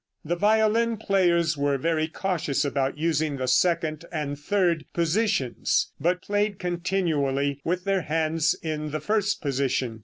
The violin players were very cautious about using the second and third "positions," but played continually with their hands in the first position.